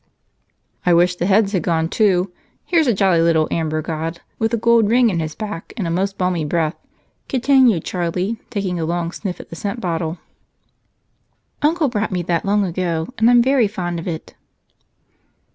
"I wish the heads had gone too. Here's a jolly little amber god with a gold ring in his back and a most balmy breath," continued Charlie, taking a long sniff at the scent bottle. "Uncle brought me that long ago, and I'm very fond of it."